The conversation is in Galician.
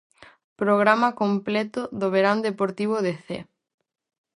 Programa completo do verán deportivo de Cee.